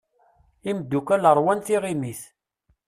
Imddukal rwan tiɣimit.